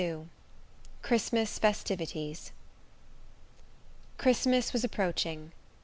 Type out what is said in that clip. XXII. Christmas Festivities. Christmas was approaching.